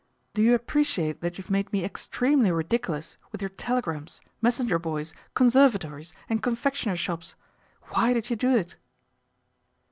" Do you appreciate that you've made me extremely ridiculous with your telegrams, mes senger boys, conservatories, and confectioner's shops ? Why did you do it